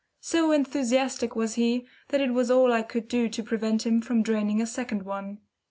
So enthusiastic was he that it was all I could do to prevent him from draining a second one.